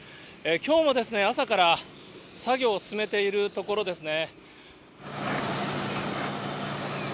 きょうも朝から作業を進めているところですね。